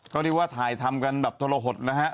ก็เรียกว่าถ่ายทำกันแบบทรหดนะฮะ